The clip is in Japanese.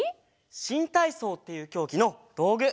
しんたいそうっていうきょうぎのどうぐ。